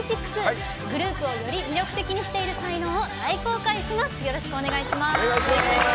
グループをより魅力的にしている才能を大公開します。